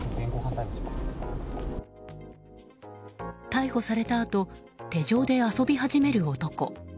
逮捕されたあと手錠で遊び始める男。